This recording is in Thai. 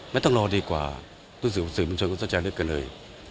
ไม่ต้องรอดีกว่ารู้สึกหนึ่งตัวใจเร็วกันเลย